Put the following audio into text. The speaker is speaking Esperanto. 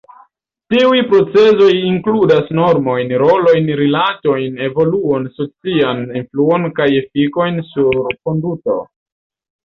Tiuj procezoj inkludas normojn, rolojn, rilatojn, evoluon, socian influon kaj efikojn sur konduto.